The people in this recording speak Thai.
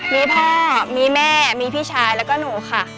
มีพ่อมีแม่มีพี่ชายแล้วก็หนูค่ะ